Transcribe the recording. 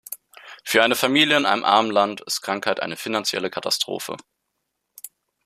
Für eine Familie in einem armen Land ist Krankheit eine finanzielle Katastrophe.